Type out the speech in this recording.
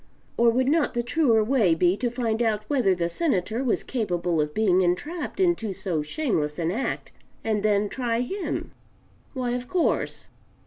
Or would not the truer way be to find out whether the Senator was capable of being entrapped into so shameless an act, and then try him? Why, of course.